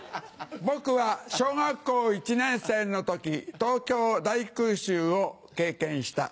「僕は小学校１年生の時東京大空襲を経験した」。